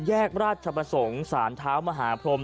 แยกราชประสงค์สารเท้ามหาพรม